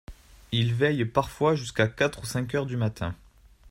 Il veille parfois jusqu’à quatre ou cinq heures du matin.